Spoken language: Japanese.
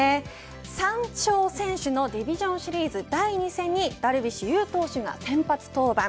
３勝先取のディビジョンシリーズ第２戦ダルビッシュ有投手が先発登板。